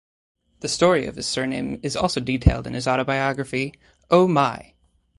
The story of his surname is also detailed in his autobiography, "Oh My!".